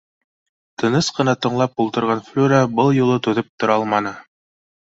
Тыныс ҡына тыңлап ултырған Флүрә был юлы түҙеп тора алманы: